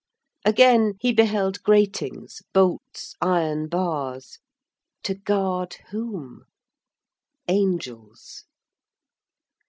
Again he beheld gratings, bolts, iron bars—to guard whom? Angels.